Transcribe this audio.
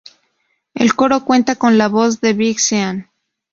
El coro cuenta con la voz de Big Sean.